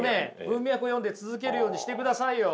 文脈を読んで続けるようにしてくださいよ。